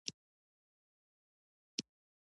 ملکه په خپل محل کې په یوه کار مشغوله وه.